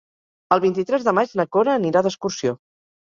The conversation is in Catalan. El vint-i-tres de maig na Cora anirà d'excursió.